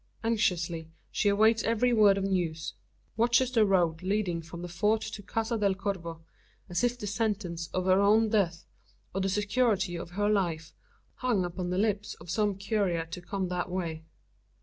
Anxiously she awaits every word of news watches the road leading from the Fort to Casa del Corvo, as if the sentence of her own death, or the security of her life, hung upon the lips of some courier to come that way!